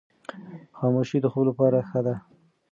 خاموشي د خوب لپاره ښه ده.